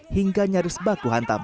hingga nyaris baku hantam